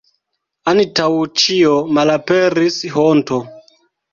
Antaŭ ĉio malaperis honto.